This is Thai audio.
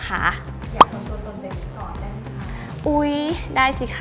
อยากต้องส่วนตัวเจนิสก่อนได้ไหมคะ